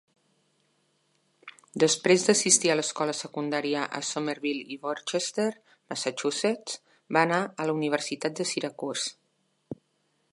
Després d'assistir a l'escola secundària a Somerville i Worcester, Massachusetts, va anar a la Universitat de Syracuse.